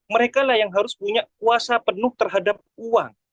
mereka lah yang harus punya kuasa penuh terhadap uang